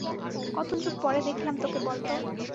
কতযুগ পরে দেখলাম তোকে বলতো!